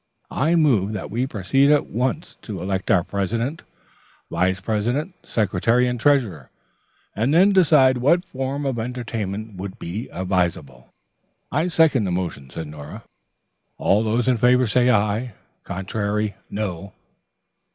I move that we proceed at once to elect our president, vice president, secretary and treasurer, and then decide what form of entertainment would be advisable." "Second the motion," said Nora. "All those in favor say 'aye,' contrary, 'no.'"